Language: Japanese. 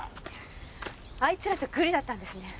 あいつらとグルだったんですね。